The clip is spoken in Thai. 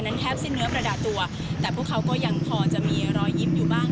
แทบสิ้นเนื้อประดาตัวแต่พวกเขาก็ยังพอจะมีรอยยิ้มอยู่บ้าง